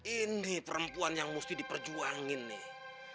ini perempuan yang mesti diperjuangin nih